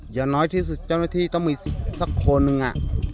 อย่างน้อยที่สุดเจ้าหน้าที่ต้องมีสักคนหนึ่ง